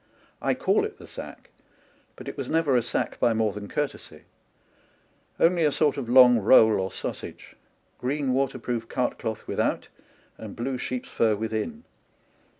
I call it " the sack," but it was never a sack by more than courtesy : only a sort of long roll or sausage, green waterproof cart cloth without and blue sheep's fur within.